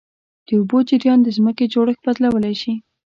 د اوبو جریان د ځمکې جوړښت بدلولی شي.